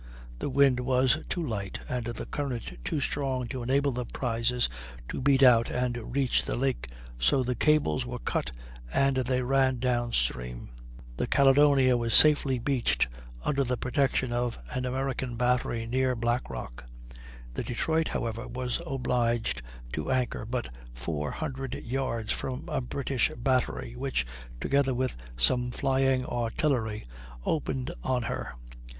The wind was too light and the current too strong to enable the prizes to beat out and reach the lake, so the cables were cut and they ran down stream. The Caledonia was safely beached under the protection of an American battery near Black Rock. The Detroit, however, was obliged to anchor but four hundred yards from a British battery, which, together with some flying artillery, opened on her.